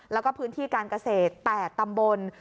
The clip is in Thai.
แล้วก็พื้นที่การเกษตร๘ตำบล